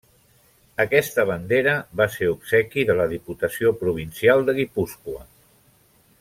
Aquesta bandera va ser obsequi de la Diputació Provincial de Guipúscoa.